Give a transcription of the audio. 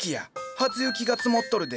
初雪が積もっとるで。